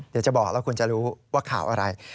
เดี๋ยวจะบอกแล้วคุณจะรู้ว่าข่าวอะไร